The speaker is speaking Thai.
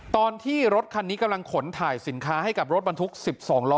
ตอนที่รถคันนี้กำลังขนถ่ายสินค้าให้กับรถบรรทุก๑๒ล้อ